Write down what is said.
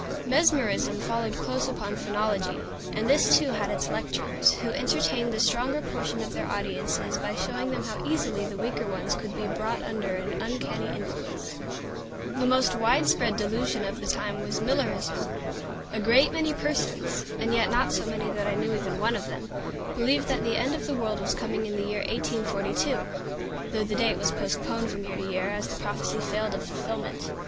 Mesmerism followed close upon phrenology; and this too had its lecturers, who entertained the stronger portion of their audiences by showing them how easily the weaker ones could be brought under an uncanny influence. The most widespread delusion of the time was Millerism. A great many persons and yet not so many that I knew even one of them believed that the end of the world was coming in the year 1842; though the date was postponed from year to year, as the prophesy failed of fulfillment.